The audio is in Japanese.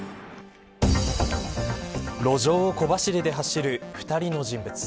路上を小走りで走る２人の人物。